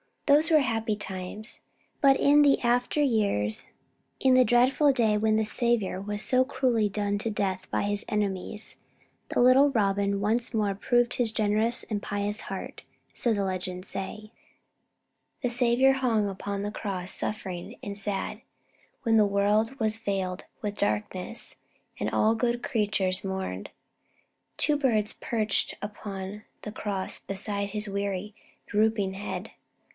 Those were happy times. But in the after years, in the dreadful day when the Saviour was so cruelly done to death by His enemies, the little Robin once more proved his generous and pious heart, so the legends say. The Saviour hung upon the cross, suffering and sad, while the world was veiled with darkness and all good creatures mourned. Two birds perched upon the cross beside His weary, drooping head.